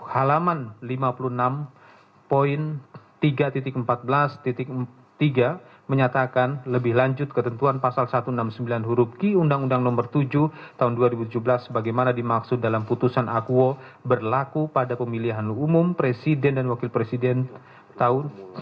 halaman lima puluh enam tiga empat belas tiga menyatakan lebih lanjut ketentuan pasal satu ratus enam puluh sembilan huruf ki undang undang nomor tujuh tahun dua ribu tujuh belas sebagaimana dimaksud dalam putusan akuo berlaku pada pemilihan umum presiden dan wakil presiden tahun seribu sembilan ratus sembilan puluh sembilan